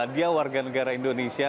dia warga negara indonesia